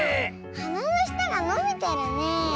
はなのしたがのびてるねえ。